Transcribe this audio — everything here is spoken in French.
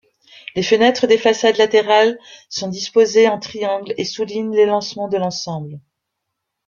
Les fenêtres des façades latérales sont disposées en triangle et soulignent l'élancement de l'ensemble.